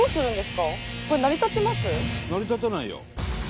成り立たないよ。